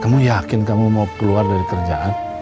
kamu yakin kamu mau keluar dari kerjaan